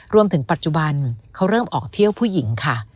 ปัจจุบันเขาเริ่มออกเที่ยวผู้หญิงค่ะ